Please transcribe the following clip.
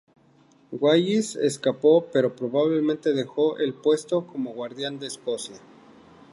Wallace escapó pero probablemente dejó el puesto como Guardián de Escocia.